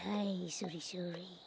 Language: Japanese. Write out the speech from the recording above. それそれ。